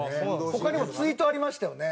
他にもツイートありましたよね。